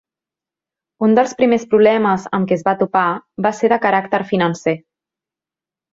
Un dels primers problemes amb què es va topar va ser de caràcter financer.